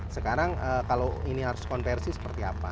sekarang kalau ini harus konversi seperti apa